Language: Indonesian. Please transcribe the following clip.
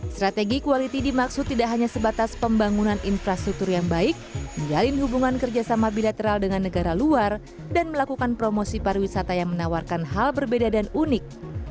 strategi kualiti dimaksud tidak hanya sebatas pembangunan infrastruktur yang baik menjalin hubungan kerjasama bilateral dengan negara luar dan melakukan promosi pariwisata yang menawarkan hal berbeda dan unik